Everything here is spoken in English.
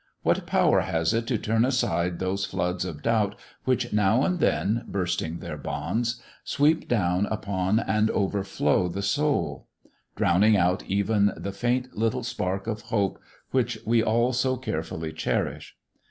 What power has it to turn aside those floods of doubt which, now and then, bursting their bonds, sweep down upon and overflow the soul, drowning out even the faint little spark of hope which we all so carefully cherish.